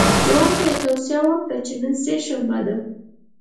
ځوان ته یې توصیه وکړه چې نن سه شنبه ده.